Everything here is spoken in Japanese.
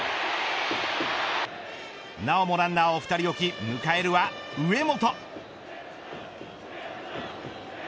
なおもランナーを２人置き迎えるは上本。